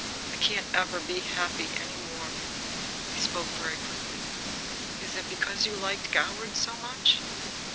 I can't ever be happy any more." He spoke, very quickly. "Is it because you liked Goward so much?"